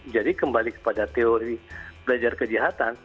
jadi kembali kepada teori belajar kejahatan